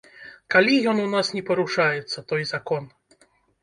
Калі ён у нас не парушаецца, той закон?